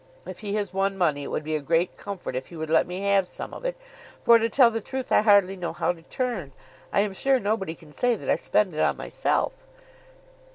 If he has won money, it would be a great comfort if he would let me have some of it, for, to tell the truth, I hardly know how to turn. I am sure nobody can say that I spend it on myself."